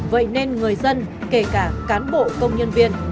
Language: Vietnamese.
vậy nên người dân kể cả cán bộ công nhân viên